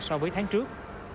so với tháng trước